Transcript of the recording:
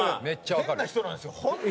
変な人なんですよ本当。